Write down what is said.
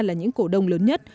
là những cổ đông lớn nhất